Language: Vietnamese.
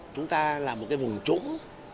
chúng ta là một cái vùng trũng